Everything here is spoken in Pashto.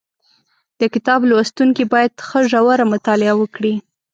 د کتاب لوستونکي باید ښه ژوره مطالعه وکړي